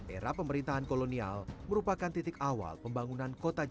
era pemerintahan kolonial merupakan titik awal pembangunan kota jakarta